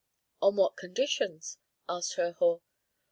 "On what conditions?" asked Herhor.